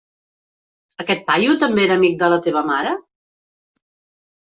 Aquest paio també era amic de la teva mare?